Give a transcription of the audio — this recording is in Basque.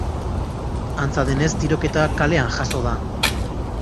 Antza denez, tiroketa kalean jazo da.